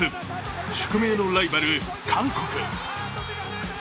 宿命のライバル・韓国。